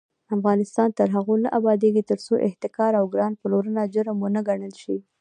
افغانستان تر هغو نه ابادیږي، ترڅو احتکار او ګران پلورنه جرم ونه ګڼل شي.